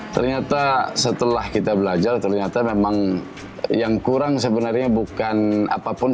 ternyata setelah kita belajar ternyata memang yang kurang sebenarnya bukan apapun